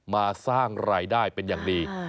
สร้างรายได้เป็นอย่างดี